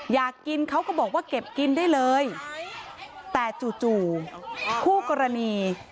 อยากกินเขาก็บอกว่าเก็บกินได้เลยแต่จู่จู่คู่กรณี